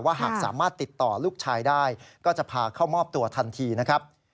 หากสามารถติดต่อลูกชายได้ก็จะพาเข้ามอบตัวทันทีนะครับ